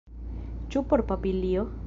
Ĉu por papilio?